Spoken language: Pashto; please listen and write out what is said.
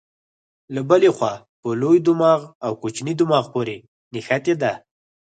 له بلې خوا په لوی دماغ او کوچني دماغ پورې نښتې ده.